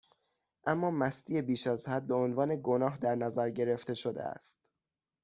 اما مستی بیشازحد، بهعنوان گناه در نظر گرفته شده است